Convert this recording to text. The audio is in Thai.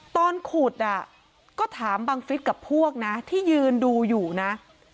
ตอนขุดก็ถามบังฟิศกับพวกนะที่ยืนดูอยู่นะ